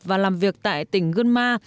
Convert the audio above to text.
và làm việc tại tỉnh gương ma